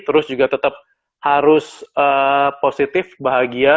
terus juga tetap harus positif bahagia